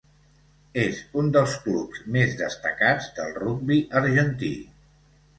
És un dels clubs més destacats del rugbi argentí.